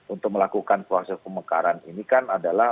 untuk melakukan proses pemekaran ini kan adalah